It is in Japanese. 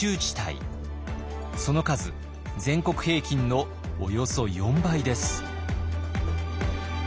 その数全国平均のおよそ４倍です。